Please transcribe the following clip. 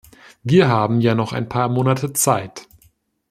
Wir haben ja noch ein paar Monate Zeit.